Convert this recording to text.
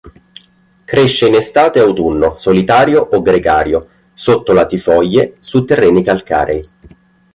Cresce in estate-autunno, solitario o gregario, sotto latifoglie su terreni calcarei.